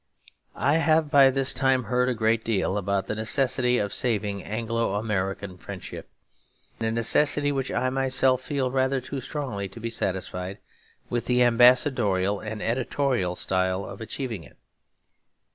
I have by this time heard a great deal about the necessity of saving Anglo American friendship, a necessity which I myself feel rather too strongly to be satisfied with the ambassadorial and editorial style of achieving it.